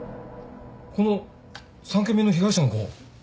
この３件目の被害者の子。